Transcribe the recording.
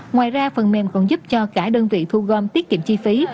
ngoài ra phần mềm còn giúp cho cả đơn vị thu gom tiết kiệm chi phí